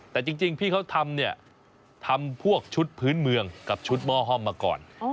แต่จริงพี่เขาทำเนี่ยทำพวกชุดพื้นเมืองกับชุดหม้อห้อมมาก่อน